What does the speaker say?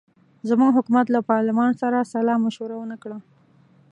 زموږ حکومت له پارلمان سره سلامشوره ونه کړه.